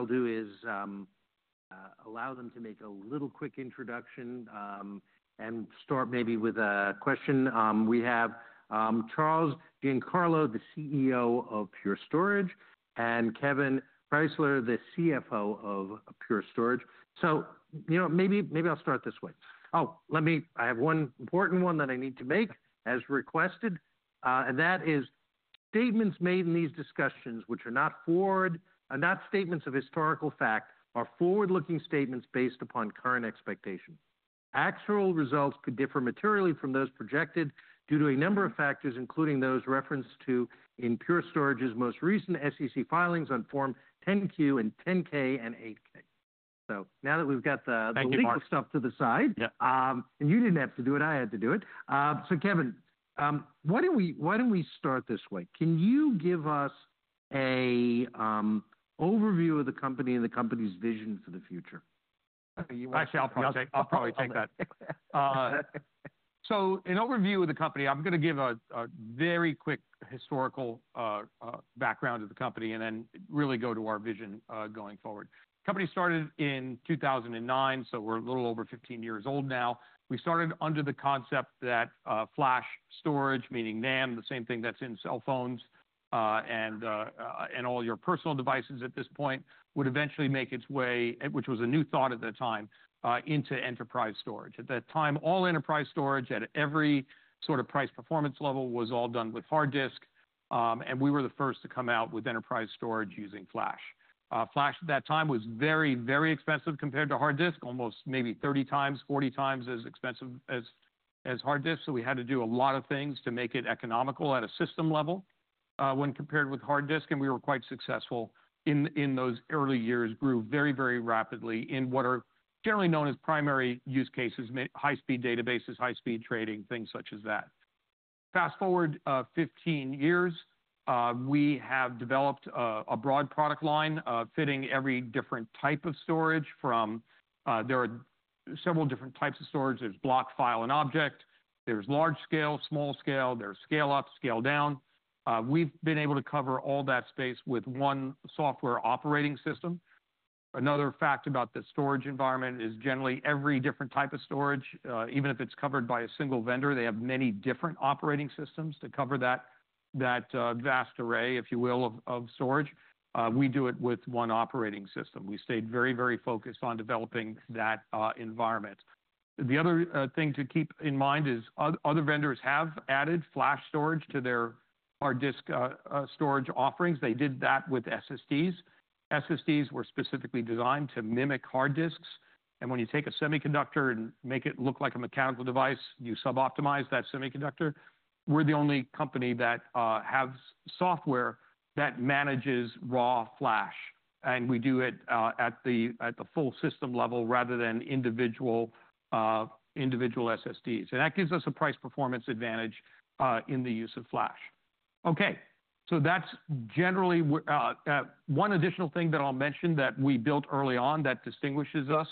I'll do is, allow them to make a little quick introduction, and start maybe with a question. We have Charles Giancarlo, the CEO of Pure Storage, and Kevan Krysler, the CFO of Pure Storage. So, you know, maybe, maybe I'll start this way. Oh, let me—I have one important one that I need to make, as requested, and that is: statements made in these discussions, which are not forward—are not statements of historical fact, are forward-looking statements based upon current expectations. Actual results could differ materially from those projected due to a number of factors, including those referenced to in Pure Storage's most recent SEC filings on Form 10-Q and 10-K and 8-K. So now that we've got the— Thank you. The marks up to the side. Yeah. And you didn't have to do it. I had to do it. So, Kevan, why don't we, why don't we start this way? Can you give us an overview of the company and the company's vision for the future? Actually, I'll probably take that. So in overview of the company, I'm going to give a very quick historical background of the company and then really go to our vision going forward. Company started in 2009, so we're a little over 15 years old now. We started under the concept that flash storage, meaning NAND, the same thing that's in cell phones and all your personal devices at this point, would eventually make its way, which was a new thought at the time, into enterprise storage. At that time, all enterprise storage at every sort of price performance level was all done with hard disk, and we were the first to come out with enterprise storage using flash. Flash at that time was very, very expensive compared to hard disk, almost maybe 30x, 40x as expensive as hard disk, so we had to do a lot of things to make it economical at a system level, when compared with hard disk, and we were quite successful in those early years, grew very, very rapidly in what are generally known as primary use cases: high-speed databases, high-speed trading, things such as that. Fast forward, 15 years, we have developed a broad product line, fitting every different type of storage from, there are several different types of storage. There's block, file, and object. There's large scale, small scale. There's scale up, scale down. We've been able to cover all that space with one software operating system. Another fact about the storage environment is generally every different type of storage, even if it's covered by a single vendor, they have many different operating systems to cover that vast array, if you will, of storage. We do it with one operating system. We stayed very, very focused on developing that environment. The other thing to keep in mind is other vendors have added flash storage to their hard disk storage offerings. They did that with SSDs. SSDs were specifically designed to mimic hard disks, and when you take a semiconductor and make it look like a mechanical device, you suboptimize that semiconductor. We're the only company that has software that manages raw flash, and we do it at the full system level rather than individual SSDs. And that gives us a price performance advantage in the use of flash. Okay, so that's generally one additional thing that I'll mention that we built early on that distinguishes us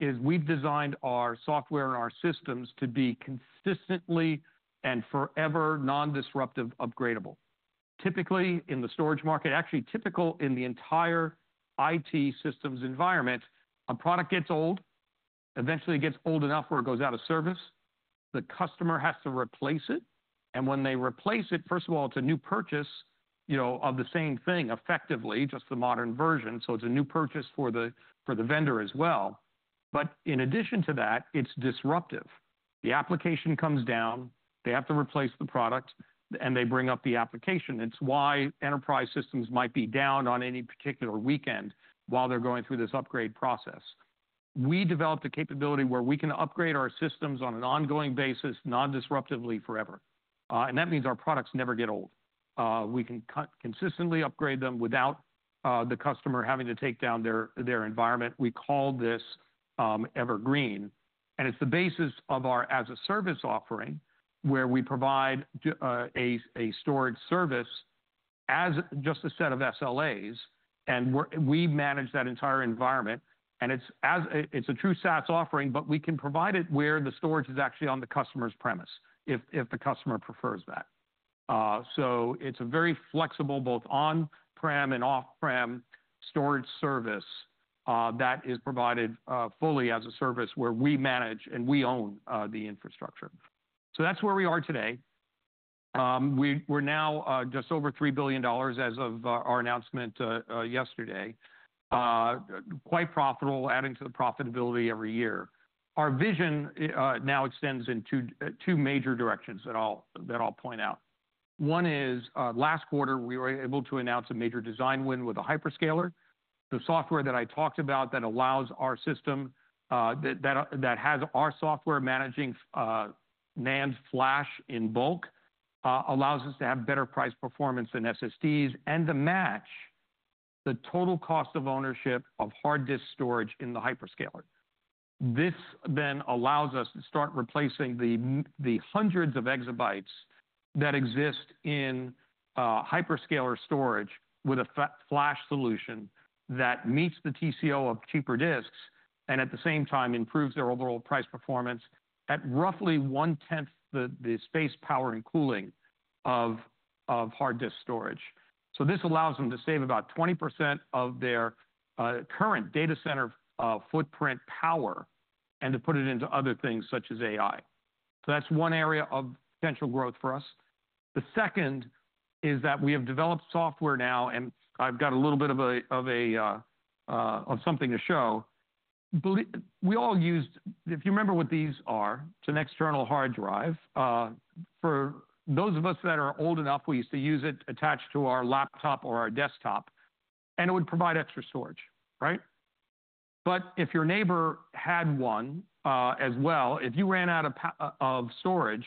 is we've designed our software and our systems to be consistently and forever non-disruptive upgradable. Typically, in the storage market, actually typical in the entire IT systems environment, a product gets old, eventually it gets old enough where it goes out of service, the customer has to replace it, and when they replace it, first of all, it's a new purchase, you know, of the same thing effectively, just the modern version, so it's a new purchase for the vendor as well. But in addition to that, it's disruptive. The application comes down, they have to replace the product, and they bring up the application. It's why enterprise systems might be down on any particular weekend while they're going through this upgrade process. We developed a capability where we can upgrade our systems on an ongoing basis, non-disruptively forever. That means our products never get old. We can continuously upgrade them without the customer having to take down their environment. We call this Evergreen, and it's the basis of our as-a-service offering where we provide a storage service as just a set of SLAs, and we manage that entire environment, and it's a true SaaS offering, but we can provide it where the storage is actually on the customer's premise if the customer prefers that. It's a very flexible both on-prem and off-prem storage service that is provided fully as a service where we manage and we own the infrastructure. That's where we are today. We're now just over $3 billion as of our announcement yesterday. Quite profitable, adding to the profitability every year. Our vision now extends in two major directions that I'll point out. One is, last quarter we were able to announce a major design win with a hyperscaler. The software that I talked about that allows our system, that has our software managing NAND flash in bulk, allows us to have better price performance than SSDs and to match the total cost of ownership of hard disk storage in the hyperscaler. This then allows us to start replacing the hundreds of exabytes that exist in hyperscaler storage with a flash solution that meets the TCO of cheaper disks and at the same time improves their overall price performance at roughly one-tenth the space, power, and cooling of hard disk storage. So this allows them to save about 20% of their current data center footprint power and to put it into other things such as AI, so that's one area of potential growth for us. The second is that we have developed software now, and I've got a little bit of a something to show. We all used, if you remember what these are, it's an external hard drive for those of us that are old enough, we used to use it attached to our laptop or our desktop, and it would provide extra storage, right, but if your neighbor had one, as well, if you ran out of storage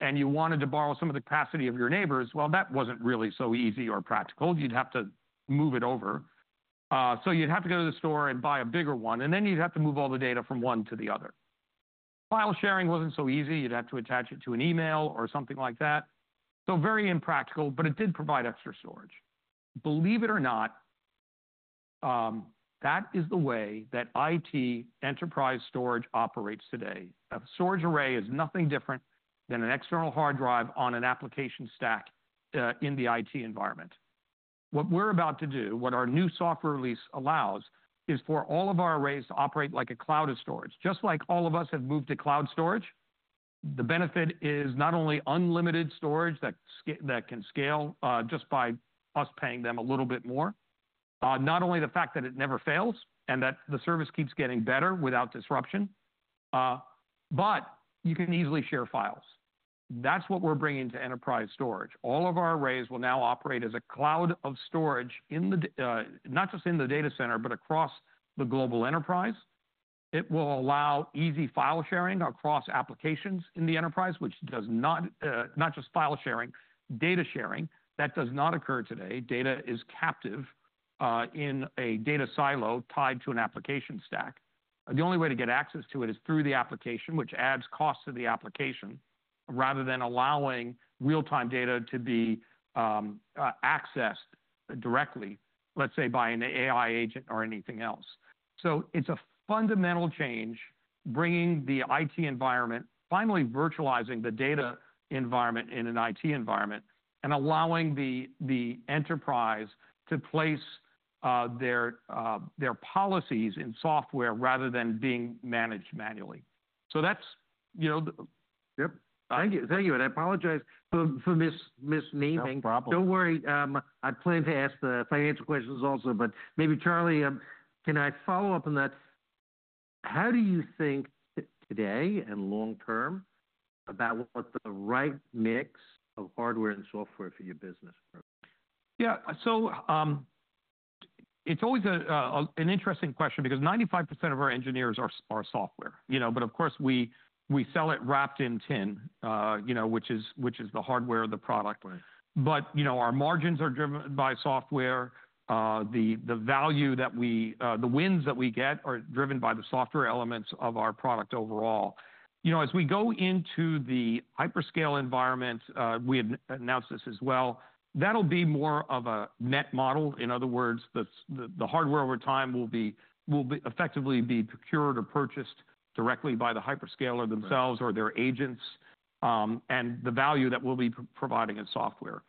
and you wanted to borrow some of the capacity of your neighbor's, well, that wasn't really so easy or practical. You'd have to move it over. So you'd have to go to the store and buy a bigger one, and then you'd have to move all the data from one to the other. File sharing wasn't so easy. You'd have to attach it to an email or something like that, so very impractical, but it did provide extra storage. Believe it or not, that is the way that IT enterprise storage operates today. A storage array is nothing different than an external hard drive on an application stack, in the IT environment. What we're about to do, what our new software release allows, is for all of our arrays to operate like a cloud of storage. Just like all of us have moved to cloud storage, the benefit is not only unlimited storage that can scale, just by us paying them a little bit more, not only the fact that it never fails and that the service keeps getting better without disruption, but you can easily share files. That's what we're bringing to enterprise storage. All of our arrays will now operate as a cloud of storage in the data center, not just in the data center, but across the global enterprise. It will allow easy file sharing across applications in the enterprise, which does not, not just file sharing, data sharing. That does not occur today. Data is captive, in a data silo tied to an application stack. The only way to get access to it is through the application, which adds cost to the application rather than allowing real-time data to be accessed directly, let's say, by an AI agent or anything else. So it's a fundamental change, bringing the IT environment, finally virtualizing the data environment in an IT environment, and allowing the enterprise to place their policies in software rather than being managed manually. So that's, you know. Yep. Thank you. Thank you. And I apologize for misnaming. No problem. Don't worry. I plan to ask the financial questions also, but maybe Charles, can I follow up on that? How do you think today and long term about what the right mix of hardware and software for your business? Yeah. So, it's always an interesting question because 95% of our engineers are software, you know, but of course we sell it wrapped in tin, you know, which is the hardware of the product. Right. But you know, our margins are driven by software. The value that we, the wins that we get are driven by the software elements of our product overall. You know, as we go into the hyperscale environment, we had announced this as well, that'll be more of a net model. In other words, the hardware over time will be effectively procured or purchased directly by the hyperscaler themselves or their agents, and the value that we'll be providing in software.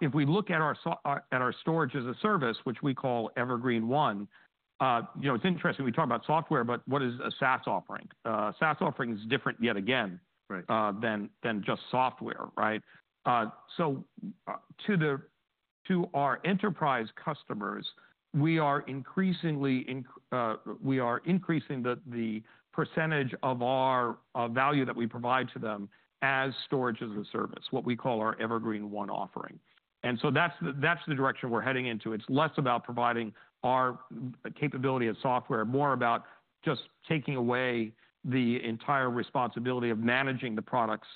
If we look at our storage as a service, which we call Evergreen One, you know, it's interesting. We talk about software, but what is a SaaS offering? SaaS offering is different yet again. Right. than just software, right? So, to our enterprise customers, we are increasing the percentage of our value that we provide to them as storage as a service, what we call our Evergreen One offering. And so that's the direction we're heading into. It's less about providing our capability of software, more about just taking away the entire responsibility of managing the products,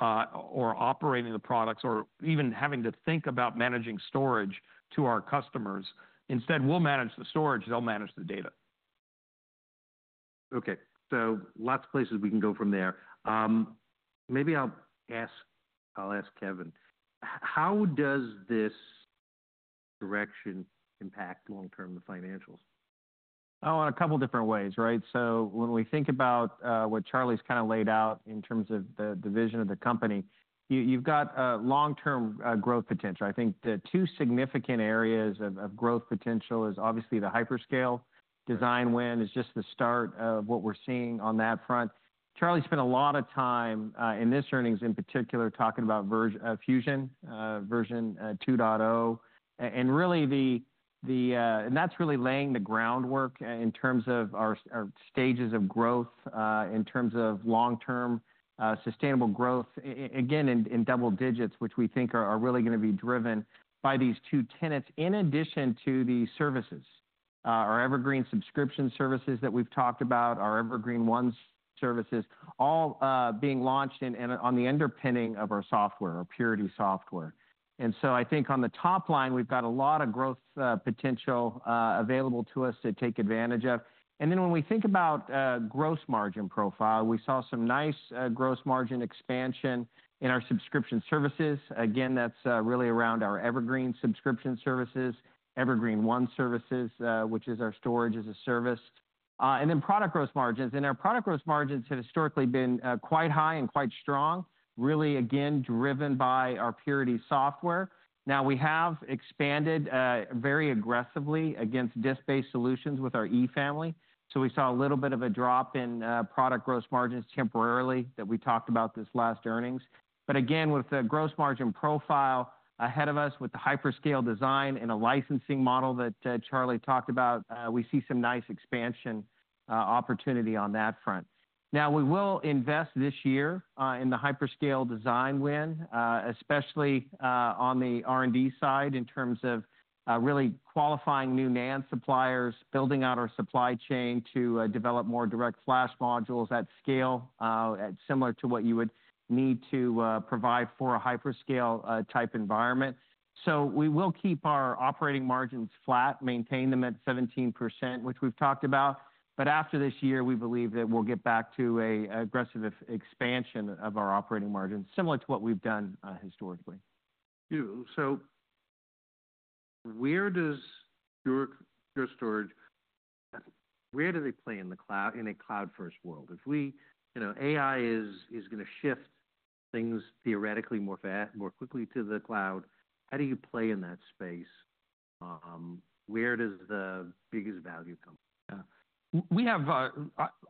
or operating the products, or even having to think about managing storage to our customers. Instead, we'll manage the storage. They'll manage the data. Okay. So lots of places we can go from there. Maybe I'll ask. I'll ask Kevan. How does this direction impact long term the financials? Oh, in a couple different ways, right? So when we think about what Charles kind of laid out in terms of the vision of the company, you've got a long-term growth potential. I think the two significant areas of growth potential is obviously the hyperscaler design win is just the start of what we're seeing on that front. Charles spent a lot of time, in this earnings in particular, talking about Pure Fusion version 2.0, and really, and that's really laying the groundwork in terms of our stages of growth, in terms of long-term sustainable growth, again, in double digits, which we think are really gonna be driven by these two tenets in addition to the services. Our Evergreen subscription services that we've talked about, our Evergreen One services, all being launched in on the underpinning of our software, our Purity software. And so I think on the top line, we've got a lot of growth potential available to us to take advantage of. And then when we think about gross margin profile, we saw some nice gross margin expansion in our subscription services. Again, that's really around our Evergreen subscription services, Evergreen One services, which is our storage as a service. And then product gross margins. And our product gross margins have historically been quite high and quite strong, really again driven by our Purity software. Now we have expanded very aggressively against disk-based solutions with our E Family. So we saw a little bit of a drop in product gross margins temporarily that we talked about this last earnings. But again, with the gross margin profile ahead of us with the hyperscale design and a licensing model that, Charles talked about, we see some nice expansion, opportunity on that front. Now we will invest this year, in the hyperscale design win, especially, on the R&D side in terms of, really qualifying new NAND suppliers, building out our supply chain to, develop more DirectFlash modules at scale, similar to what you would need to, provide for a hyperscale, type environment. So we will keep our operating margins flat, maintain them at 17%, which we've talked about. But after this year, we believe that we'll get back to a aggressive expansion of our operating margins similar to what we've done, historically. So where does your storage, where do they play in the cloud, in a cloud-first world? If we, you know, AI is gonna shift things theoretically more fair, more quickly to the cloud, how do you play in that space? Where does the biggest value come? Yeah. We have,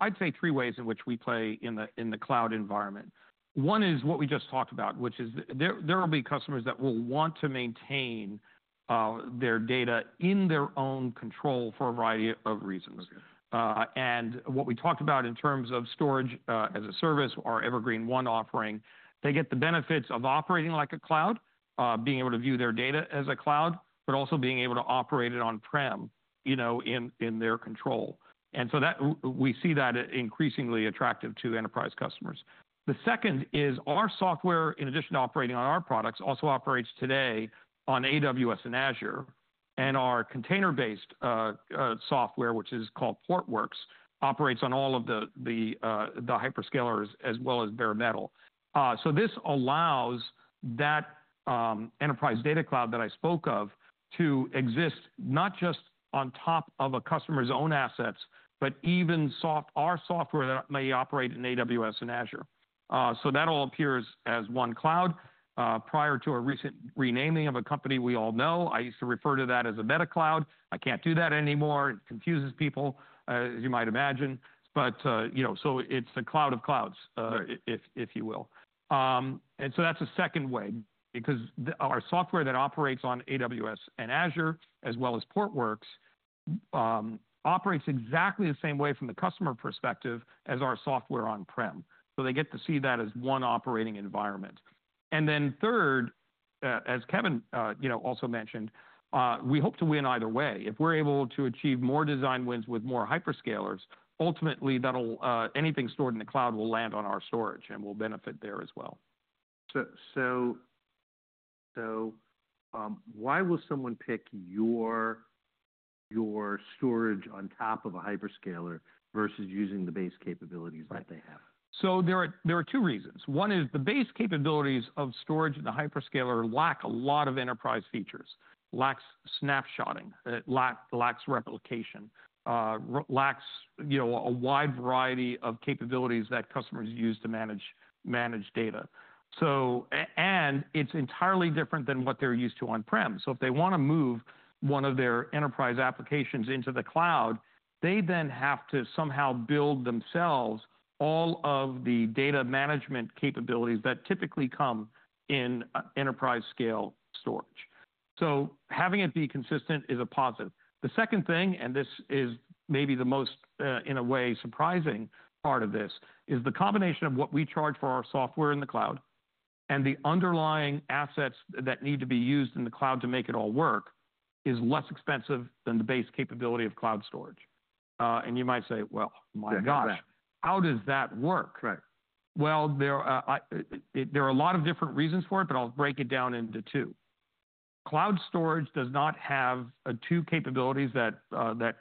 I'd say three ways in which we play in the cloud environment. One is what we just talked about, which is there will be customers that will want to maintain their data in their own control for a variety of reasons. Okay. And what we talked about in terms of storage as a service, our Evergreen One offering, they get the benefits of operating like a cloud, being able to view their data as a cloud, but also being able to operate it on-prem, you know, in their control. And so that we see that increasingly attractive to enterprise customers. The second is our software, in addition to operating on our products, also operates today on AWS and Azure. And our container-based software, which is called Portworx, operates on all of the hyperscalers as well as bare metal. So this allows that enterprise data cloud that I spoke of to exist not just on top of a customer's own assets, but even our software that may operate in AWS and Azure. So that all appears as one cloud. Prior to a recent renaming of a company we all know, I used to refer to that as a meta cloud. I can't do that anymore. It confuses people, as you might imagine, but you know, so it's a cloud of clouds, if, if you will, and so that's a second way because our software that operates on AWS and Azure, as well as Portworx, operates exactly the same way from the customer perspective as our software on-prem, so they get to see that as one operating environment, and then third, as Kevan, you know, also mentioned, we hope to win either way. If we're able to achieve more design wins with more hyperscalers, ultimately that'll, anything stored in the cloud will land on our storage and we'll benefit there as well. Why will someone pick your storage on top of a hyperscaler versus using the base capabilities that they have? Right. So there are two reasons. One is the base capabilities of storage and the hyperscaler lack a lot of enterprise features, lacks snapshotting, lacks replication, lacks, you know, a wide variety of capabilities that customers use to manage data. So, and it's entirely different than what they're used to on-prem. So if they wanna move one of their enterprise applications into the cloud, they then have to somehow build themselves all of the data management capabilities that typically come in enterprise scale storage. So having it be consistent is a positive. The second thing, and this is maybe the most, in a way surprising part of this is the combination of what we charge for our software in the cloud and the underlying assets that need to be used in the cloud to make it all work is less expensive than the base capability of cloud storage, and you might say, well, my gosh, how does that work? Right. There are a lot of different reasons for it, but I'll break it down into two. Cloud storage does not have two capabilities that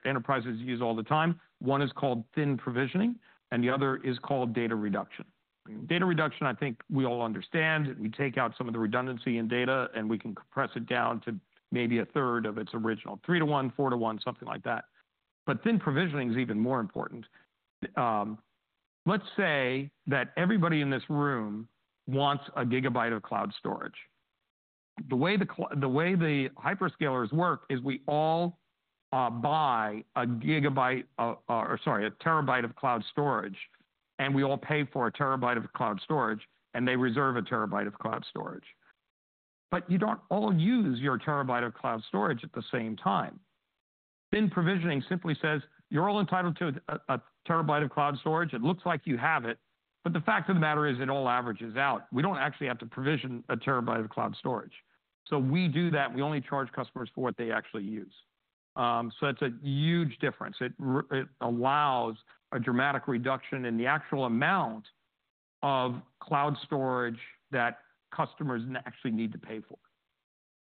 enterprises use all the time. One is called thin provisioning, and the other is called data reduction. Data reduction, I think we all understand. We take out some of the redundancy in data and we can compress it down to maybe a third of its original, three to one, four to one, something like that. But thin provisioning is even more important. Let's say that everybody in this room wants a gigabyte of cloud storage. The way the hyperscalers work is we all buy a gigabyte of, or sorry, a terabyte of cloud storage, and we all pay for a terabyte of cloud storage, and they reserve a terabyte of cloud storage. But you don't all use your terabyte of cloud storage at the same time. Thin provisioning simply says you're all entitled to a terabyte of cloud storage. It looks like you have it, but the fact of the matter is it all averages out. We don't actually have to provision a terabyte of cloud storage. So we do that. We only charge customers for what they actually use. So it's a huge difference. It allows a dramatic reduction in the actual amount of cloud storage that customers actually need to pay for.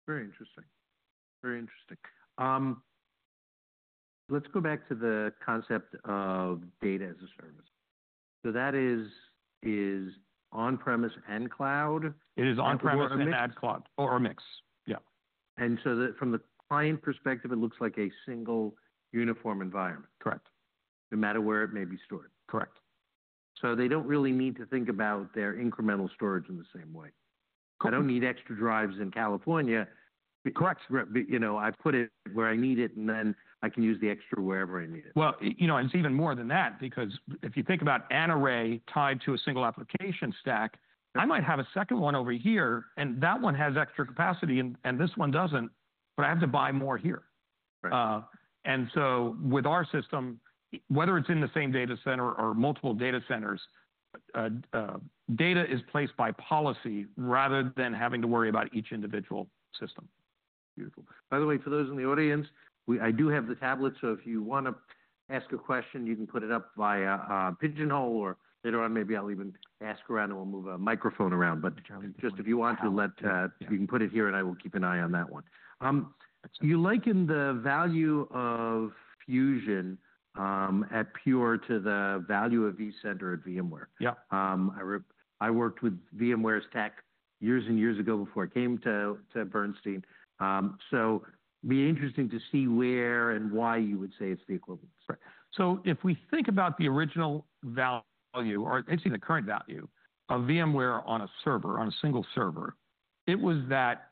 Very interesting. Very interesting. Let's go back to the concept of data as a service. So that is on-premise and cloud. It is on-premises and cloud or a mix. Yeah. And so, from the client perspective, it looks like a single uniform environment. Correct. No matter where it may be stored. Correct. So they don't really need to think about their incremental storage in the same way. Correct. I don't need extra drives in California. Correct. You know, I put it where I need it, and then I can use the extra wherever I need it. You know, and it's even more than that because if you think about an array tied to a single application stack, I might have a second one over here, and that one has extra capacity and this one doesn't, but I have to buy more here. Right. And so with our system, whether it's in the same data center or multiple data centers, data is placed by policy rather than having to worry about each individual system. Beautiful. By the way, for those in the audience, I do have the tablet, so if you wanna ask a question, you can put it up by a pigeonhole or later on, maybe I'll even ask around and we'll move a microphone around. But just if you want, you can put it here and I will keep an eye on that one. You liken the value of Fusion at Pure to the value of vCenter at VMware. Yeah. I worked with VMware's tech years and years ago before I came to Bernstein, so it'd be interesting to see where and why you would say it's the equivalent. Right. So if we think about the original value, or actually the current value of VMware on a server, on a single server, it was that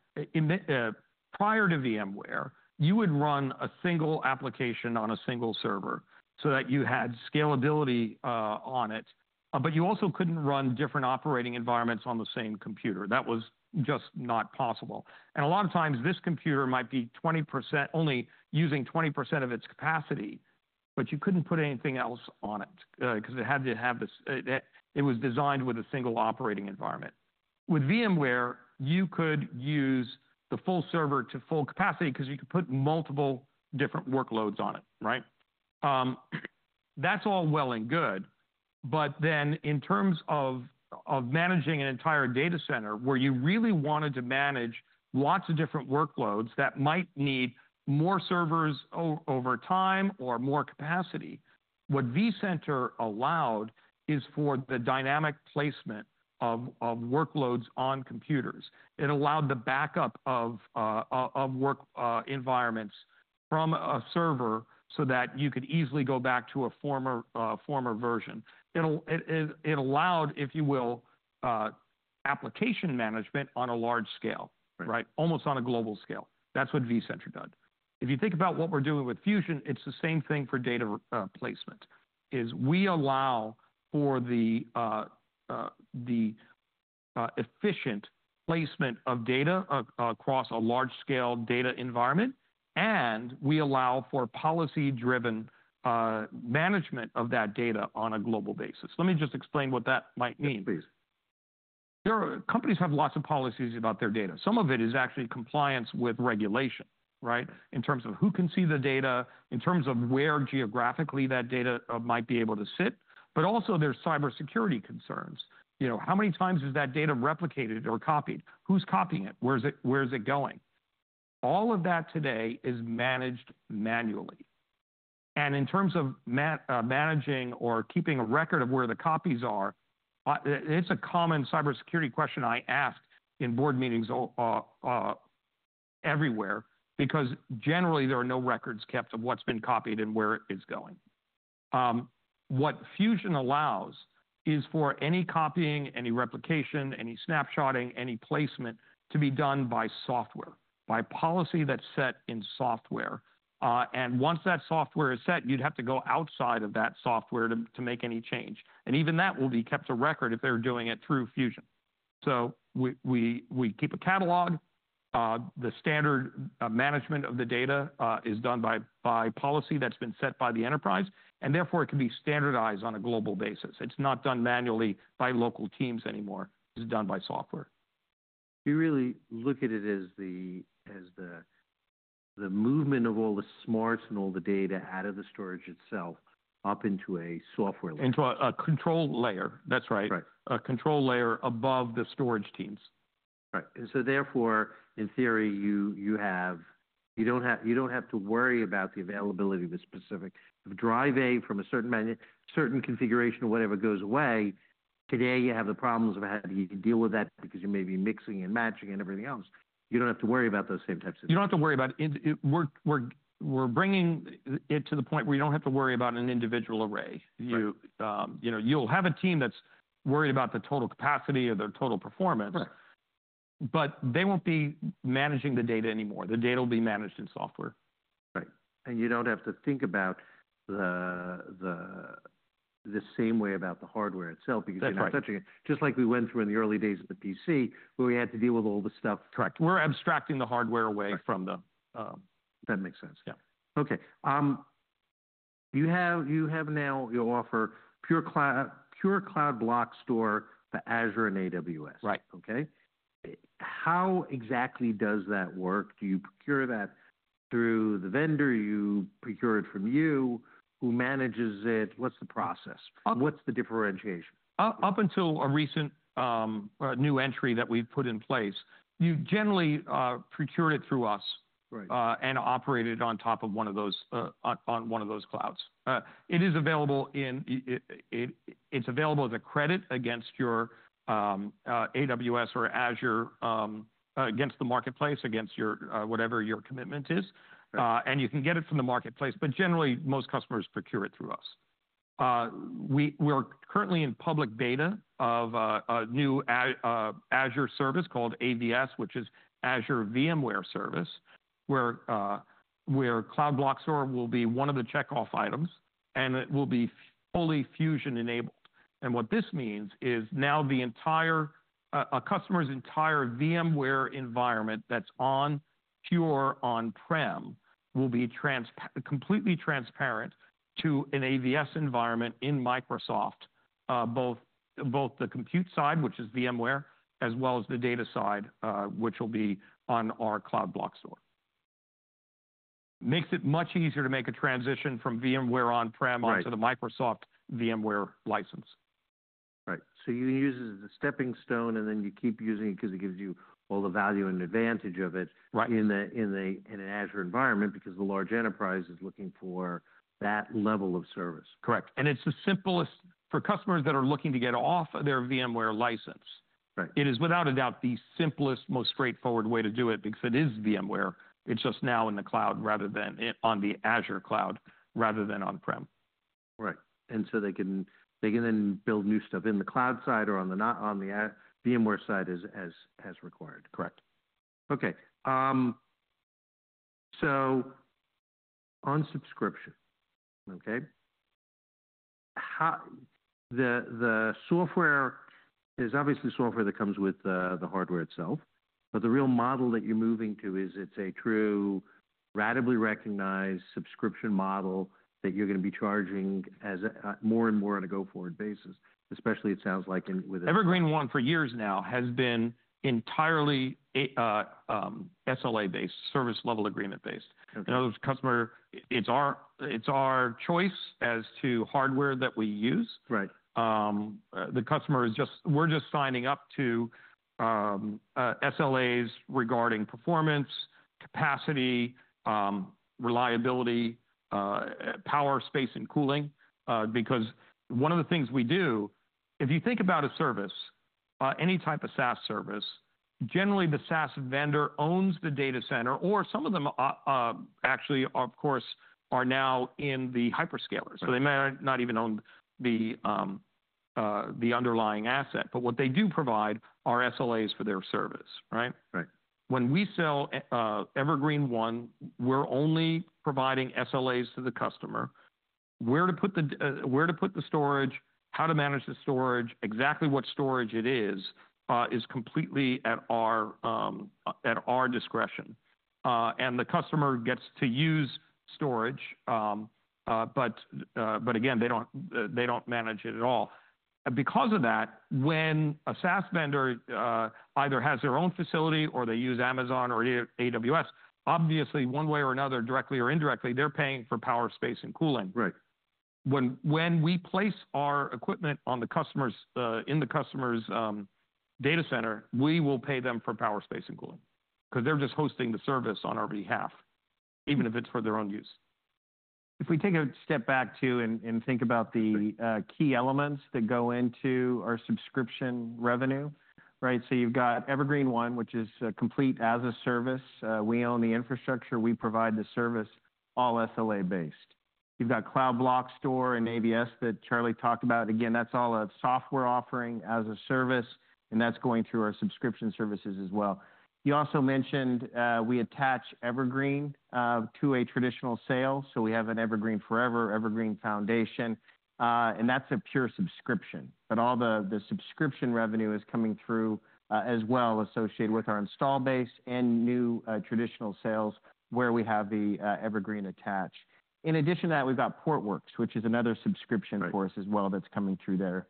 prior to VMware, you would run a single application on a single server so that you had scalability on it but you also couldn't run different operating environments on the same computer. That was just not possible and a lot of times this computer might be 20% only using 20% of its capacity, but you couldn't put anything else on it, 'cause it had to have this, it was designed with a single operating environment. With VMware, you could use the full server to full capacity 'cause you could put multiple different workloads on it, right? That's all well and good. But then in terms of managing an entire data center where you really wanted to manage lots of different workloads that might need more servers over time or more capacity, what vCenter allowed is for the dynamic placement of workloads on computers. It allowed the backup of work environments from a server so that you could easily go back to a former version. It allowed, if you will, application management on a large scale, right? Almost on a global scale. That's what vCenter did. If you think about what we're doing with Fusion, it's the same thing for data placement, is we allow for the efficient placement of data across a large scale data environment, and we allow for policy driven management of that data on a global basis. Let me just explain what that might mean. Please. There are companies that have lots of policies about their data. Some of it is actually compliance with regulation, right? In terms of who can see the data, in terms of where geographically that data might be able to sit. But also there's cybersecurity concerns. You know, how many times is that data replicated or copied? Who's copying it? Where's it, where's it going? All of that today is managed manually. And in terms of managing or keeping a record of where the copies are, it's a common cybersecurity question I ask in board meetings everywhere because generally there are no records kept of what's been copied and where it is going. What Fusion allows is for any copying, any replication, any snapshotting, any placement to be done by software, by policy that's set in software. And once that software is set, you'd have to go outside of that software to make any change. And even that will be kept a record if they're doing it through Fusion. So we keep a catalog. The standard management of the data is done by policy that's been set by the enterprise, and therefore it can be standardized on a global basis. It's not done manually by local teams anymore. It's done by software. You really look at it as the movement of all the smarts and all the data out of the storage itself up into a software layer. Into a control layer. That's right. Right. A control layer above the storage teams. Right. And so therefore, in theory, you don't have to worry about the availability of a specific drive A from a certain model configuration, whatever goes away. Today you have the problems of how do you deal with that because you may be mixing and matching and everything else. You don't have to worry about those same types of things. You don't have to worry about it. We're bringing it to the point where you don't have to worry about an individual array. You know, you'll have a team that's worried about the total capacity or their total performance. Right. But they won't be managing the data anymore. The data will be managed in software. Right. And you don't have to think about the same way about the hardware itself because you're not touching it. That's right. Just like we went through in the early days of the PC where we had to deal with all the stuff. Correct. We're abstracting the hardware away from the, if that makes sense. Yeah. Okay. You now offer Pure Cloud Block Store for Azure and AWS. Right. Okay. How exactly does that work? Do you procure that through the vendor? You procure it from you? Who manages it? What's the process? What's the differentiation? Up until a recent new entry that we've put in place, you generally procured it through us. Right. And operated it on top of one of those, on one of those clouds. It's available as a credit against your AWS or Azure, against the marketplace, against your whatever your commitment is. And you can get it from the marketplace, but generally most customers procure it through us. We're currently in public beta of a new Azure service called AVS, which is Azure VMware Service, where Cloud Block Store will be one of the checkoff items and it will be fully Fusion enabled. And what this means is now the entire, a customer's entire VMware environment that's on Pure on-prem will be completely transparent to an AVS environment in Microsoft, both the compute side, which is VMware, as well as the data side, which will be on our Cloud Block Store. Makes it much easier to make a transition from VMware on-prem. Right. Onto the Microsoft VMware license. Right. So you use it as a stepping stone and then you keep using it 'cause it gives you all the value and advantage of it. Right. In an Azure environment because the large enterprise is looking for that level of service. Correct, and it's the simplest for customers that are looking to get off their VMware license. Right. It is without a doubt the simplest, most straightforward way to do it because it is VMware. It's just now in the Azure cloud rather than on-prem. Right. And so they can then build new stuff in the cloud side or on the, not on the VMware side as required. Correct. Okay, so on subscription, okay, how the software is obviously software that comes with the hardware itself, but the real model that you're moving to is it's a true ratably recognized subscription model that you're gonna be charging more and more on a go-forward basis, especially it sounds like in with. Evergreen One for years now has been entirely SLA-based, service level agreement based. Okay. You know, customer, it's our choice as to hardware that we use. Right. The customer is just, we're just signing up to SLAs regarding performance, capacity, reliability, power, space, and cooling, because one of the things we do, if you think about a service, any type of SaaS service, generally the SaaS vendor owns the data center or some of them, actually of course are now in the hyperscalers. So they may not even own the underlying asset, but what they do provide are SLAs for their service, right? Right. When we sell Evergreen One, we're only providing SLAs to the customer. Where to put the storage, how to manage the storage, exactly what storage it is, is completely at our discretion, and the customer gets to use storage, but again, they don't manage it at all. Because of that, when a SaaS vendor either has their own facility or they use Amazon or AWS, obviously one way or another, directly or indirectly, they're paying for power, space, and cooling. Right. When we place our equipment in the customer's data center, we will pay them for power, space, and cooling 'cause they're just hosting the service on our behalf, even if it's for their own use. If we take a step back too and think about the key elements that go into our subscription revenue, right? So you've got Evergreen One, which is a complete as a service. We own the infrastructure. We provide the service, all SLA based. You've got Cloud Block Store and AVS that Charles talked about. Again, that's all a software offering as a service, and that's going through our subscription services as well. You also mentioned we attach Evergreen to a traditional sale. So we have an Evergreen Forever, Evergreen Foundation, and that's a pure subscription, but all the subscription revenue is coming through as well associated with our install base and new traditional sales where we have the Evergreen attached. In addition to that, we've got Portworx, which is another subscription for us as well that's coming through there.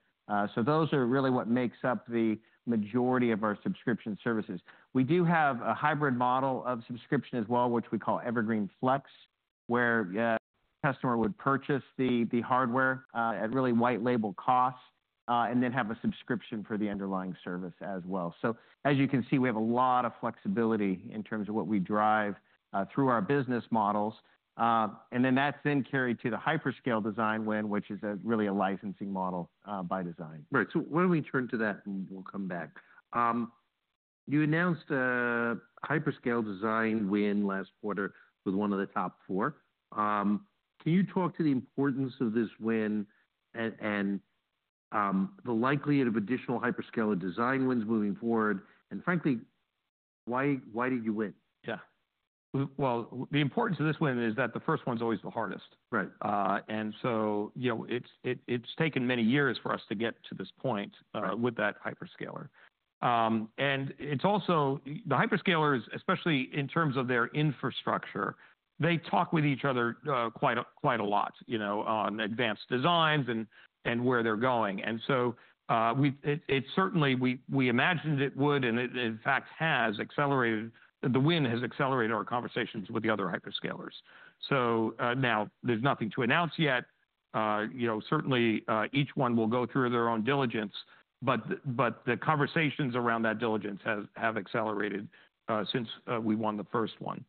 So those are really what makes up the majority of our subscription services. We do have a hybrid model of subscription as well, which we call Evergreen Flex, where customer would purchase the hardware at really white label costs, and then have a subscription for the underlying service as well. So as you can see, we have a lot of flexibility in terms of what we drive through our business models. And that's carried to the hyperscale design win, which is really a licensing model, by design. Right. So why don't we turn to that and we'll come back. You announced a hyperscale design win last quarter with one of the top four. Can you talk to the importance of this win and, and, the likelihood of additional hyperscale design wins moving forward? And frankly, why, why did you win? Yeah, well, the importance of this win is that the first one's always the hardest. Right. So, you know, it's taken many years for us to get to this point with that hyperscaler. It's also the hyperscalers, especially in terms of their infrastructure. They talk with each other quite a lot, you know, on advanced designs and where they're going. So, we certainly imagined it would, and it in fact has accelerated. The win has accelerated our conversations with the other hyperscalers. Now there's nothing to announce yet. You know, certainly, each one will go through their own diligence, but the conversations around that diligence have accelerated since we won the first one.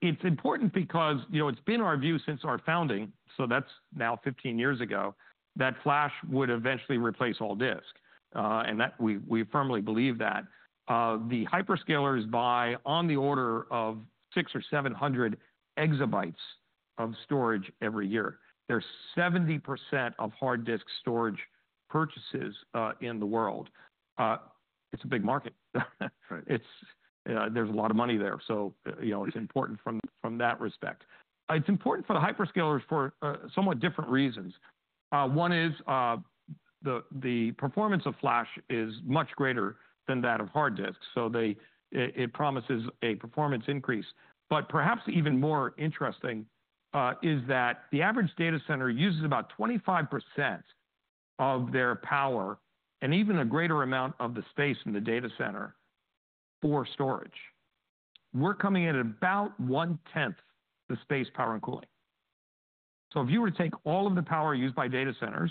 It's important because, you know, it's been our view since our founding. That's now 15 years ago that flash would eventually replace all disk, and we firmly believe that. The hyperscalers buy on the order of six or 700 EB of storage every year. That's 70% of hard disk storage purchases in the world. It's a big market. Right. It's, there's a lot of money there. So, you know, it's important from that respect. It's important for the hyperscalers for somewhat different reasons. One is the performance of flash is much greater than that of hard disk. So it promises a performance increase, but perhaps even more interesting is that the average data center uses about 25% of their power and even a greater amount of the space in the data center for storage. We're coming in at about one tenth the space, power, and cooling. So if you were to take all of the power used by data centers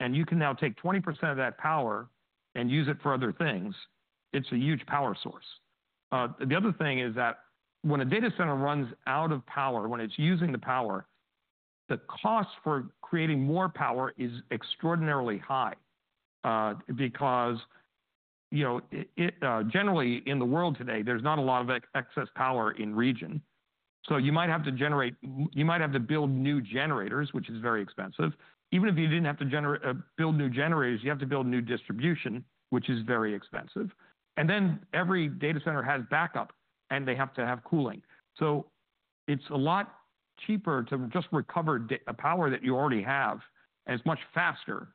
and you can now take 20% of that power and use it for other things, it's a huge power source. The other thing is that when a data center runs out of power, when it's using the power, the cost for creating more power is extraordinarily high, because, you know, it generally in the world today, there's not a lot of excess power in region. So you might have to generate, you might have to build new generators, which is very expensive. Even if you didn't have to generate, build new generators, you have to build new distribution, which is very expensive. And then every data center has backup and they have to have cooling. So it's a lot cheaper to just recover the power that you already have, and it's much faster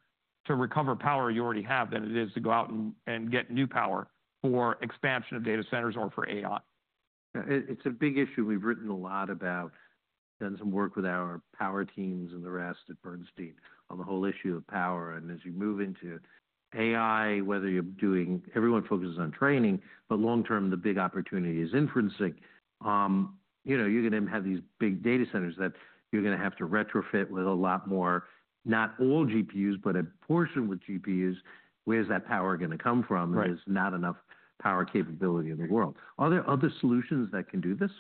to recover power you already have than it is to go out and get new power for expansion of data centers or for AI. Yeah. It's a big issue. We've written a lot about, done some work with our power teams and the rest at Bernstein on the whole issue of power, and as you move into AI, whether you're doing, everyone focuses on training, but long term, the big opportunity is inferencing. You know, you're gonna have these big data centers that you're gonna have to retrofit with a lot more, not all GPUs, but a portion with GPUs. Where's that power gonna come from? Right. There's not enough power capability in the world. Are there other solutions that can do this?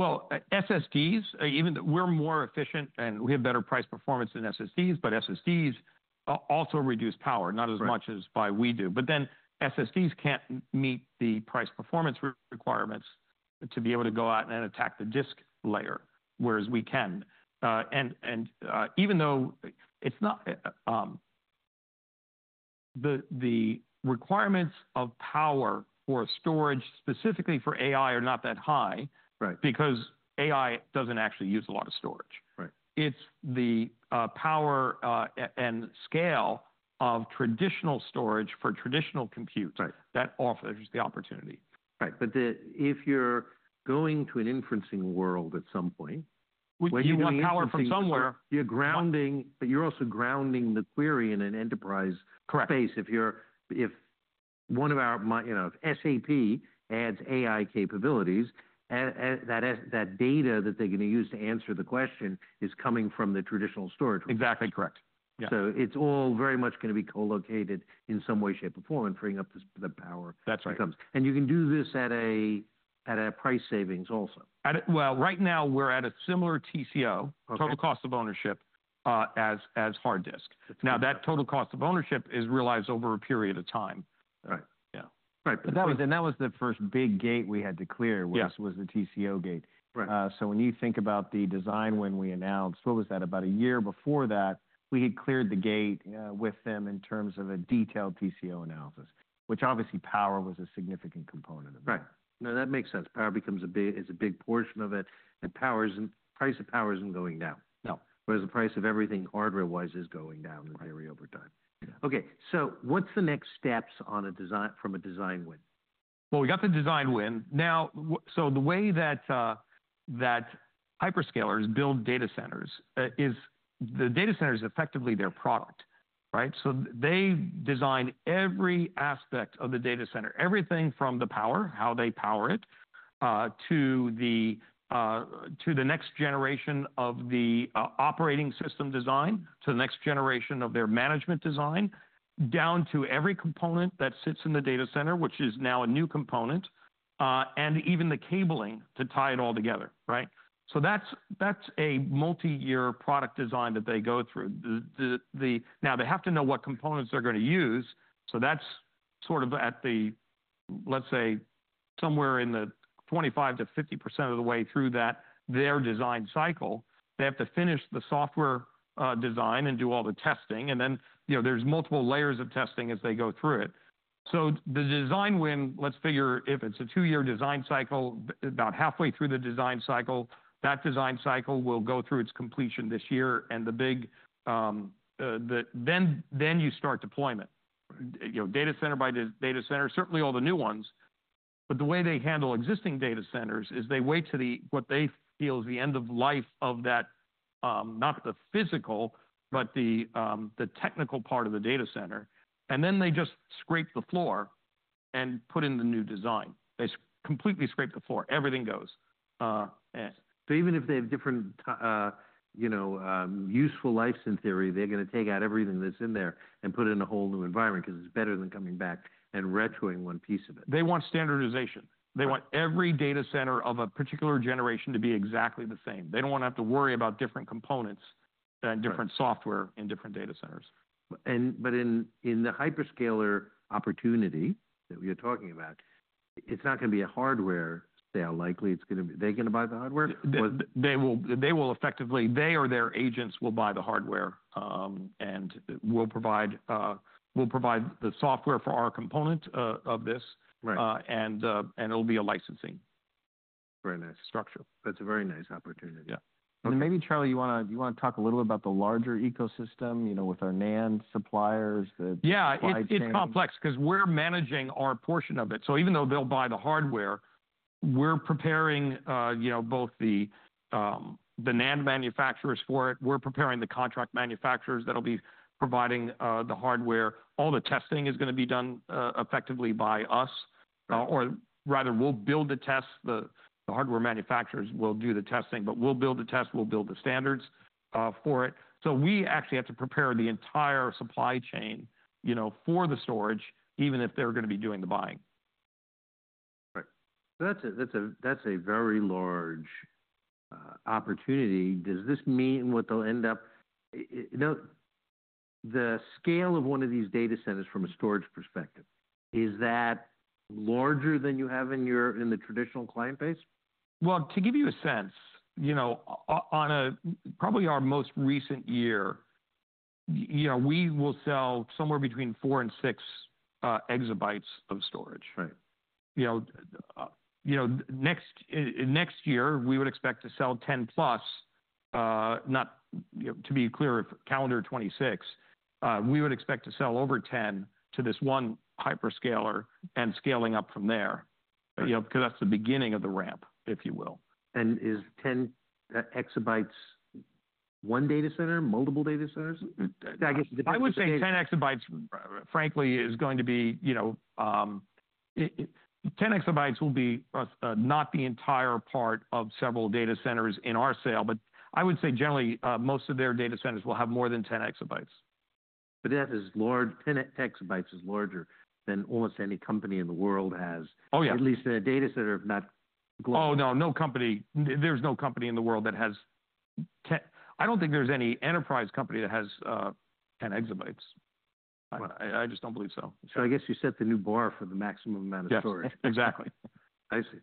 SSDs. Even we're more efficient and we have better price performance than SSDs, but SSDs also reduce power, not as much as we do. But then SSDs can't meet the price performance requirements to be able to go out and attack the disk layer, whereas we can. And even though it's not the requirements of power for storage specifically for AI are not that high. Right. Because AI doesn't actually use a lot of storage. Right. It's the power and scale of traditional storage for traditional compute. Right. That offers the opportunity. Right. But if you're going to an inferencing world at some point. When you want power from somewhere. You're grounding, but you're also grounding the query in an enterprise space. Correct. If one of our, you know, if SAP adds AI capabilities, and that data that they're gonna use to answer the question is coming from the traditional storage. Exactly correct. Yeah. So it's all very much gonna be co-located in some way, shape, or form and freeing up the power. That's right. That comes, and you can do this at a price savings also. Well, right now we're at a similar TCO, total cost of ownership, as hard disk. Now that total cost of ownership is realized over a period of time. Right. Yeah. Right. But that was, and that was the first big gate we had to clear. Yes. Was the TCO gate. Right. So, when you think about the design, when we announced (what was that, about a year before that), we had cleared the gate with them in terms of a detailed TCO analysis, which, obviously, power was a significant component of that. Right. No, that makes sense. Power is a big portion of it. And the price of power isn't going down. No. Whereas the price of everything hardware-wise is going down very over time. Right. Okay. So what's the next steps on a design from a design win? We got the design win. Now, so the way that hyperscalers build data centers is the data center is effectively their product, right? So they design every aspect of the data center, everything from the power, how they power it, to the next generation of the operating system design, to the next generation of their management design, down to every component that sits in the data center, which is now a new component, and even the cabling to tie it all together, right? So that's a multi-year product design that they go through. Now they have to know what components they're gonna use. So that's sort of at the, let's say somewhere in the 25%-50% of the way through that, their design cycle, they have to finish the software design and do all the testing. And then, you know, there's multiple layers of testing as they go through it. So the design win, let's figure if it's a two-year design cycle, about halfway through the design cycle, that design cycle will go through its completion this year. And the big, then you start deployment, you know, data center by data center, certainly all the new ones. But the way they handle existing data centers is they wait until the, what they feel is the end of life of that, not the physical, but the technical part of the data center. And then they just scrape the floor and put in the new design. They completely scrape the floor. Everything goes, and. So even if they have different, you know, useful life in theory, they're gonna take out everything that's in there and put it in a whole new environment 'cause it's better than coming back and retroing one piece of it. They want standardization. They want every data center of a particular generation to be exactly the same. They don't wanna have to worry about different components and different software in different data centers. In the hyperscaler opportunity that we are talking about, it's not gonna be a hardware sale. Likely it's gonna be, they gonna buy the hardware? They will effectively, they or their agents will buy the hardware, and will provide the software for our component of this. Right. and it'll be a licensing. Very nice. Structure. That's a very nice opportunity. Yeah. Maybe Charles, you wanna talk a little about the larger ecosystem, you know, with our NAND suppliers, the supply chain. Yeah. It's, it's complex 'cause we're managing our portion of it. So even though they'll buy the hardware, we're preparing, you know, both the, the NAND manufacturers for it. We're preparing the contract manufacturers that'll be providing the hardware. All the testing is gonna be done, effectively by us, or rather we'll build the tests. The hardware manufacturers will do the testing, but we'll build the tests, we'll build the standards for it. So we actually have to prepare the entire supply chain, you know, for the storage, even if they're gonna be doing the buying. Right. That's a very large opportunity. Does this mean what they'll end up, you know, the scale of one of these data centers from a storage perspective, is that larger than you have in your traditional client base? To give you a sense, you know, on a, probably our most recent year, you know, we will sell somewhere between 4 and 6 EB of storage. Right. You know, next year we would expect to sell 10+, you know, to be clear, if calendar 2026, we would expect to sell over 10 to this one hyperscaler and scaling up from there, you know, 'cause that's the beginning of the ramp, if you will. Is 10 EB one data center, multiple data centers? I guess. I would say 10 EB, frankly, is going to be, you know, 10 EB will be not the entire part of several data centers in our sale, but I would say generally, most of their data centers will have more than 10 EB. But that is large, 10 EB is larger than almost any company in the world has. Oh yeah. At least in a data center, if not global. Oh no, no company. There's no company in the world that has 10. I don't think there's any enterprise company that has 10 EB. I just don't believe so. I guess you set the new bar for the maximum amount of storage. Yes, exactly. I see.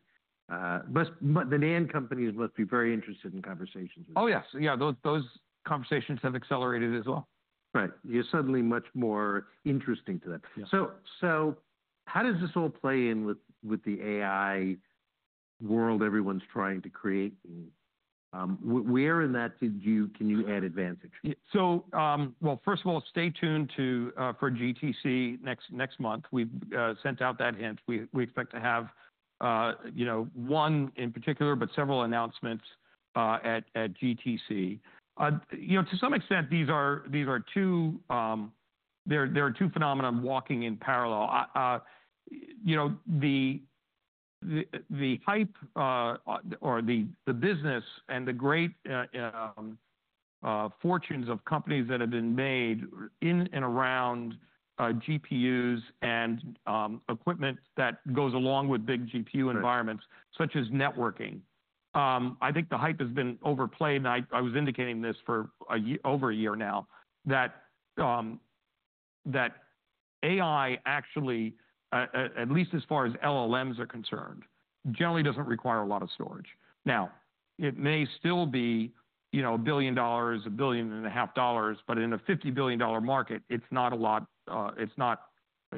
But the NAND companies must be very interested in conversations with you. Oh yes. Yeah. Those, those conversations have accelerated as well. Right. You're suddenly much more interesting to them. Yeah. How does this all play in with the AI world everyone's trying to create? We are in that. Did you? Can you add advantage? First of all, stay tuned for GTC next month. We've sent out that hint. We expect to have, you know, one in particular, but several announcements at GTC. You know, to some extent, these are two phenomena walking in parallel. You know, the hype or the business and the great fortunes of companies that have been made in and around GPUs and equipment that goes along with big GPU environments such as networking. I think the hype has been overplayed and I was indicating this for a year, over a year now, that AI actually, at least as far as LLMs are concerned, generally doesn't require a lot of storage. Now, it may still be, you know, $1 billion, $1.5 billion, but in a $50 billion market, it's not a lot. It's not,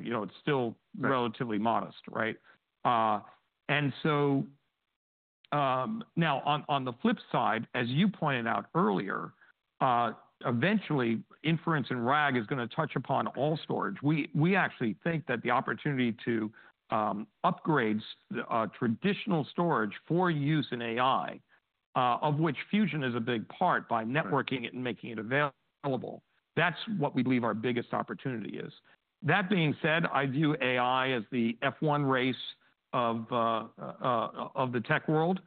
you know, it's still relatively modest, right? So now, on the flip side, as you pointed out earlier, eventually inference and RAG is gonna touch upon all storage. We actually think that the opportunity to upgrade a traditional storage for use in AI, of which Fusion is a big part by networking it and making it available, that's what we believe our biggest opportunity is. That being said, I view AI as the F1 race of the tech world.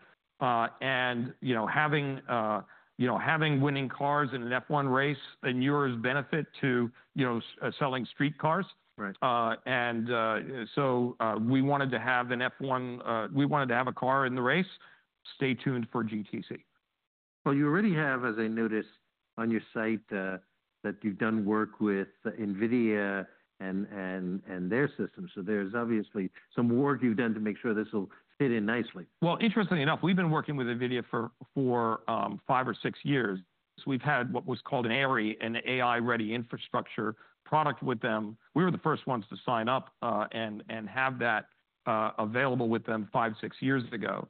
You know, having winning cars in an F1 race and yours benefit to, you know, selling street cars. Right. We wanted to have an F1. We wanted to have a car in the race. Stay tuned for GTC. You already have, as I noticed on your site, that you've done work with NVIDIA and their systems. So there's obviously some work you've done to make sure this'll fit in nicely. Interestingly enough, we've been working with NVIDIA for five or six years. We've had what was called an AIRI, an AI Ready Infrastructure product with them. We were the first ones to sign up and have that available with them five or six years ago.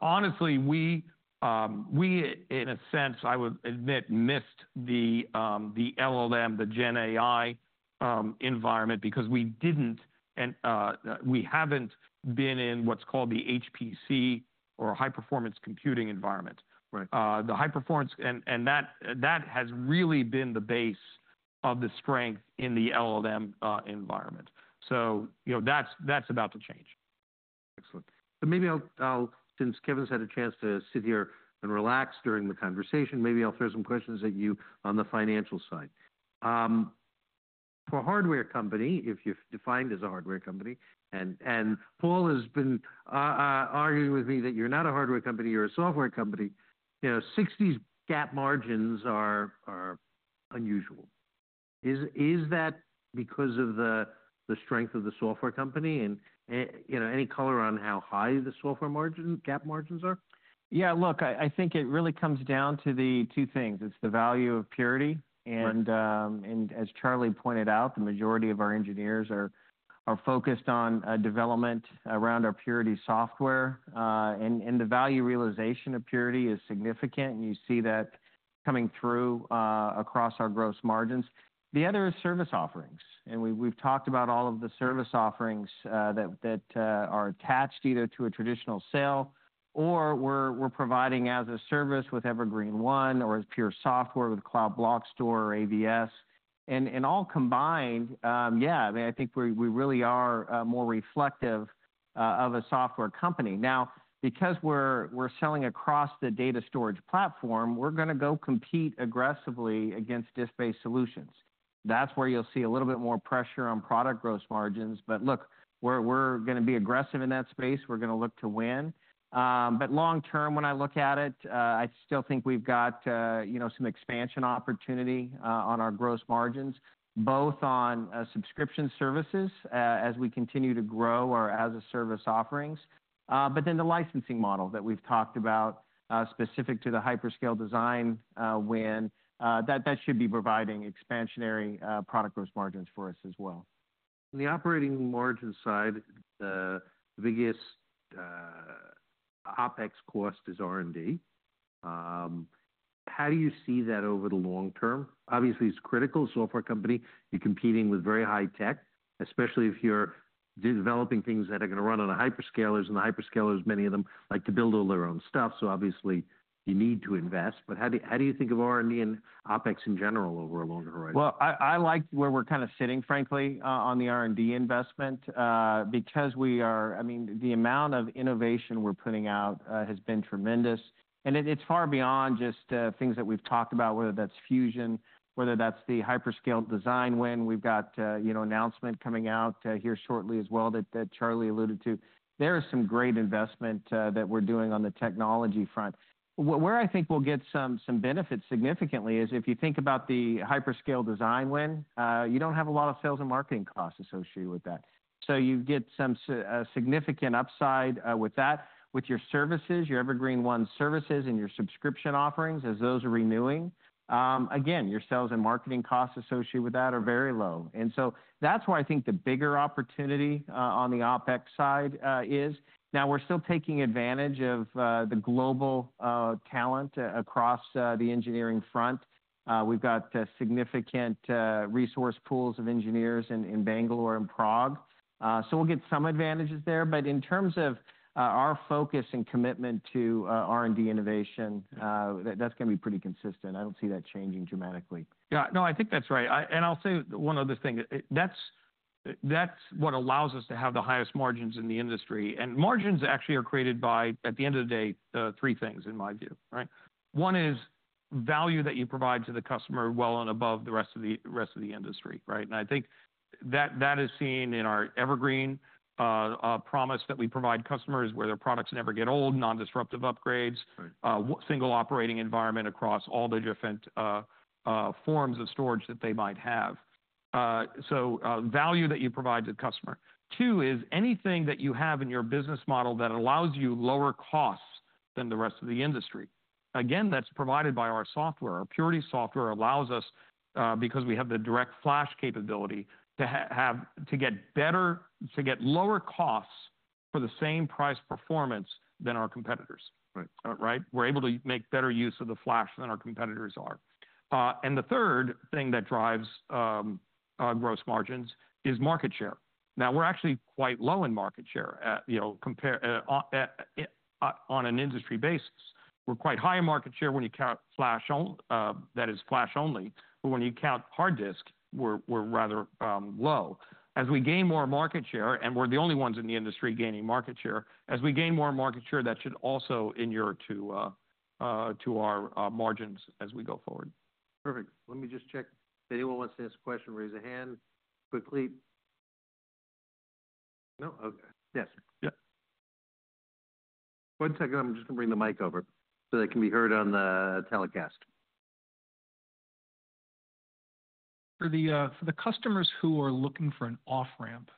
Honestly, we in a sense, I would admit, missed the LLM, the GenAI, environment because we didn't and we haven't been in what's called the HPC or High Performance Computing environment. Right. the high performance and that has really been the base of the strength in the LLM environment. So, you know, that's about to change. Excellent. So maybe I'll, since Kevan's had a chance to sit here and relax during the conversation, maybe I'll throw some questions at you on the financial side. For a hardware company, if you're defined as a hardware company and Paul has been arguing with me that you're not a hardware company, you're a software company, you know, 60% GAAP margins are unusual. Is that because of the strength of the software company and, you know, any color on how high the software margin gross margins are? Yeah. Look, I think it really comes down to the two things. It's the value of Purity and as Charles pointed out, the majority of our engineers are focused on development around our Purity software. And the value realization of Purity is significant and you see that coming through across our gross margins. The other is service offerings. We have talked about all of the service offerings that are attached either to a traditional sale or we're providing as a service with Evergreen One or as Pure software with Cloud Block Store or AVS. All combined, yeah, I mean, I think we really are more reflective of a software company. Now, because we're selling across the data storage platform, we're gonna go compete aggressively against disk-based solutions. That's where you'll see a little bit more pressure on product gross margins. But look, we're gonna be aggressive in that space. We're gonna look to win. But long term, when I look at it, I still think we've got, you know, some expansion opportunity on our gross margins, both on subscription services, as we continue to grow our as a service offerings. But then the licensing model that we've talked about, specific to the hyperscale design win, that should be providing expansionary product gross margins for us as well. On the operating margin side, the biggest OpEx cost is R&D. How do you see that over the long term? Obviously, it's critical. Software company, you're competing with very high-tech, especially if you're developing things that are gonna run on hyperscalers. The hyperscalers, many of them like to build all their own stuff. So obviously you need to invest. But how do you think of R&D and OpEx in general over a longer horizon? I like where we're kind of sitting, frankly, on the R&D investment, because we are, I mean, the amount of innovation we're putting out has been tremendous. And it is far beyond just things that we've talked about, whether that's Fusion, whether that's the hyperscale design win. We've got, you know, announcement coming out here shortly as well that Charles alluded to. There are some great investment that we're doing on the technology front. Where I think we'll get some benefits significantly is if you think about the hyperscale design win, you don't have a lot of sales and marketing costs associated with that. So you get some significant upside with that, with your services, your Evergreen One services and your subscription offerings as those are renewing. Again, your sales and marketing costs associated with that are very low. And so that's why I think the bigger opportunity on the OpEx side is. Now we're still taking advantage of the global talent across the engineering front. We've got significant resource pools of engineers in Bangalore and Prague. So we'll get some advantages there. But in terms of our focus and commitment to R&D innovation, that's gonna be pretty consistent. I don't see that changing dramatically. Yeah. No, I think that's right. I, and I'll say one other thing. That's, that's what allows us to have the highest margins in the industry. And margins actually are created by, at the end of the day, three things in my view, right? One is value that you provide to the customer well and above the rest of the, rest of the industry, right? And I think that, that is seen in our Evergreen promise that we provide customers where their products never get old, non-disruptive upgrades, single operating environment across all the different, forms of storage that they might have, so value that you provide to the customer. Two is anything that you have in your business model that allows you lower costs than the rest of the industry. Again, that's provided by our software. Our Purity software allows us, because we have the DirectFlash capability to have, to get better, to get lower costs for the same price performance than our competitors. Right. Right? We're able to make better use of the flash than our competitors are. And the third thing that drives gross margins is market share. Now we're actually quite low in market share at, you know, compared on an industry basis. We're quite high in market share when you count flash only, that is flash only. But when you count hard disk, we're rather low. As we gain more market share and we're the only ones in the industry gaining market share, as we gain more market share, that should also inure to our margins as we go forward. Perfect. Let me just check. If anyone wants to ask a question, raise a hand quickly. No? Okay. Yes. Yeah. One second. I'm just gonna bring the mic over so they can be heard on the telecast. For the customers who are looking for an off ramp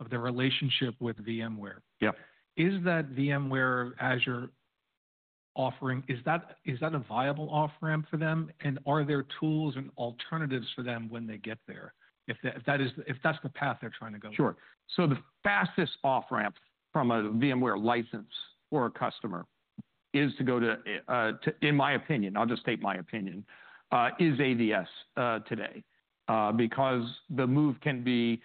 of their relationship with VMware. Yep. Is that Azure VMware offering a viable off ramp for them? And are there tools and alternatives for them when they get there? If that's the path they're trying to go? Sure. So the fastest off ramp from a VMware license for a customer is to go to, in my opinion, I'll just state my opinion, is AVS today because the move can be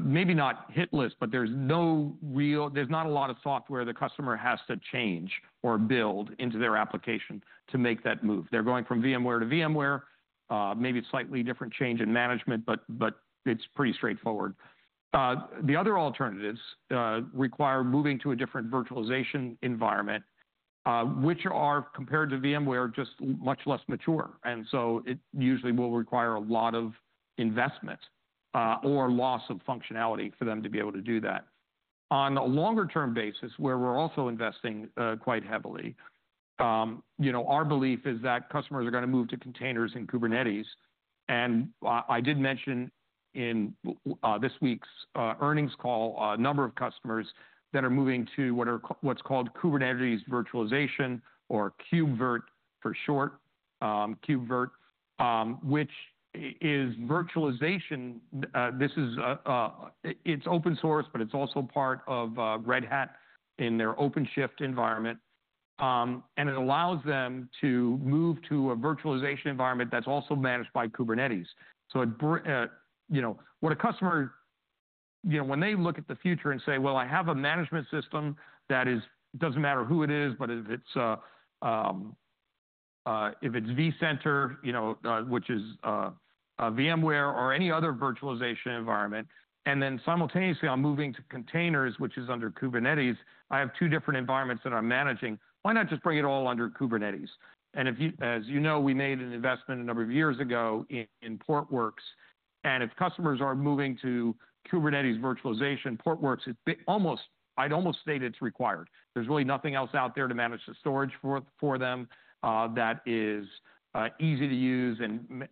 maybe not hitless, but there's not a lot of software the customer has to change or build into their application to make that move. They're going from VMware to VMware, maybe slightly different change in management, but it's pretty straightforward. The other alternatives require moving to a different virtualization environment, which are compared to VMware just much less mature. And so it usually will require a lot of investment, or loss of functionality for them to be able to do that. On a longer term basis, where we're also investing quite heavily, you know, our belief is that customers are gonna move to containers and Kubernetes. I did mention in this week's earnings call a number of customers that are moving to what's called Kubernetes Virtualization or KubeVirt for short, which is virtualization. This is open source, but it's also part of Red Hat in their OpenShift environment. It allows them to move to a virtualization environment that's also managed by Kubernetes. So, you know, what a customer, you know, when they look at the future and say, well, I have a management system that doesn't matter who it is, but if it's vCenter, you know, which is VMware or any other virtualization environment, and then simultaneously I'm moving to containers, which is under Kubernetes, I have two different environments that I'm managing. Why not just bring it all under Kubernetes? And if you, as you know, we made an investment a number of years ago in Portworx. And if customers are moving to Kubernetes virtualization, Portworx is almost. I'd almost state it's required. There's really nothing else out there to manage the storage for them that is easy to use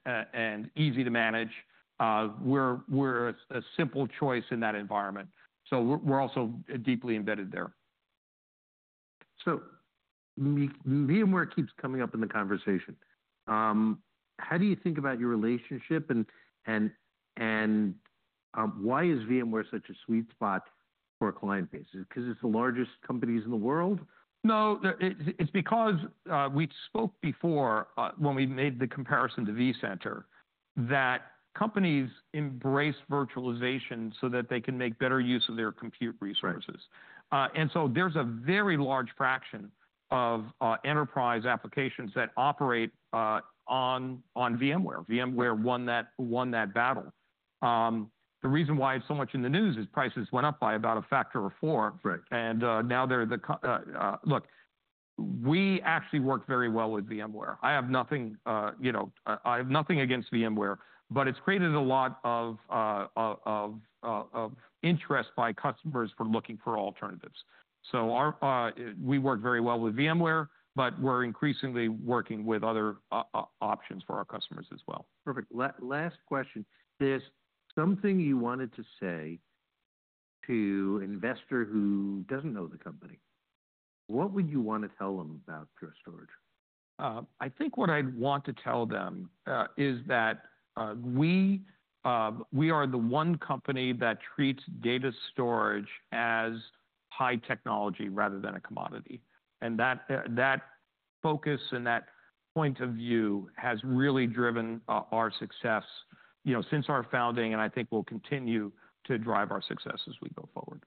and easy to manage. We're a simple choice in that environment. So we're also deeply embedded there. VMware keeps coming up in the conversation. How do you think about your relationship and why is VMware such a sweet spot for a client base? Is it 'cause it's the largest companies in the world? No, it's because we spoke before, when we made the comparison to vCenter, that companies embrace virtualization so that they can make better use of their compute resources. Right. And so there's a very large fraction of enterprise applications that operate on VMware. VMware won that, won that battle. The reason why it's so much in the news is prices went up by about a factor of four. Right. Now they're the. Look, we actually work very well with VMware. I have nothing, you know, I have nothing against VMware, but it's created a lot of interest by customers for looking for alternatives. We work very well with VMware, but we're increasingly working with other options for our customers as well. Perfect. The last question. There's something you wanted to say to an investor who doesn't know the company. What would you wanna tell 'em about Pure Storage? I think what I'd want to tell them is that we, we are the one company that treats data storage as high technology rather than a commodity, and that, that focus and that point of view has really driven our success, you know, since our founding, and I think we'll continue to drive our success as we go forward.